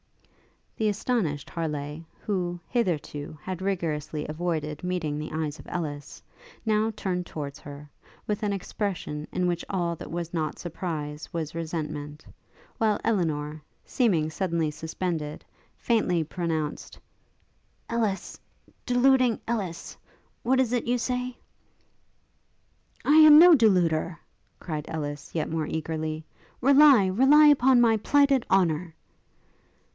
The astonished Harleigh, who, hitherto, had rigorously avoided meeting the eyes of Ellis, now turned towards her, with an expression in which all that was not surprise was resentment; while Elinor, seeming suddenly suspended, faintly pronounced, 'Ellis deluding Ellis! what is it you say?' 'I am no deluder!' cried Ellis, yet more eagerly: 'Rely, rely upon my plighted honour!'